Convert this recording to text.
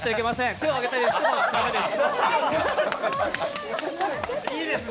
手を挙げたりしても駄目です。